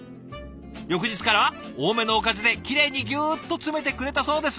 翌日からは多めのおかずできれいにギュッと詰めてくれたそうです。